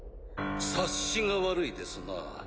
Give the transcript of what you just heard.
察しが悪いですなぁ。